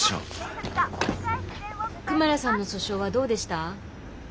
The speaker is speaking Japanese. クマラさんの訴訟はどうでした？